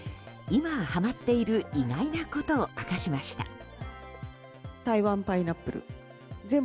今、はまっている意外なことを明かしました。